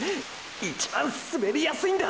一番滑りやすいんだ！！